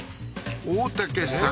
大竹さん